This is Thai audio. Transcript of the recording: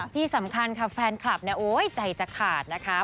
ที่สำคัญค่ะแฟนคลับใจจะขาดนะคะ